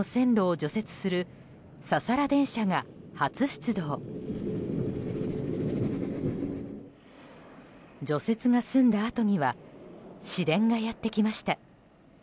除雪が済んだあとには市電がやってきました。